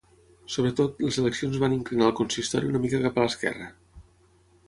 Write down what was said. Sobretot, les eleccions van inclinar el consistori una mica cap a l'esquerra.